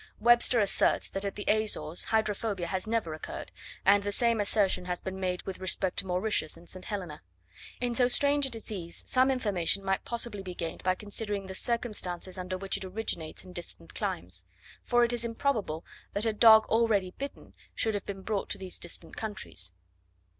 Webster asserts that at the Azores hydrophobia has never occurred; and the same assertion has been made with respect to Mauritius and St. Helena. In so strange a disease some information might possibly be gained by considering the circumstances under which it originates in distant climates; for it is improbable that a dog already bitten, should have been brought to these distant countries.